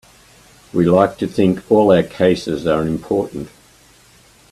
We like to think all our cases are important.